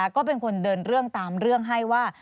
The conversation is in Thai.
ก็เป็นคนเดินเรื่องตามเรื่องให้ว่า